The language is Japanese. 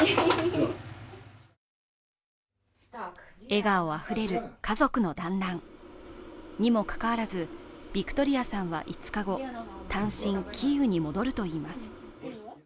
笑顔あふれる家族の団らん。にもかかわらずヴィクトリアさんは５日後、単身、キーウに戻るといいます。